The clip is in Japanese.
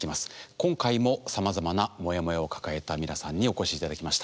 今回もさまざまなモヤモヤを抱えた皆さんにお越し頂きました。